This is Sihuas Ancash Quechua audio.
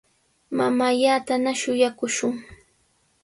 Mamaallatana shuyaakushun.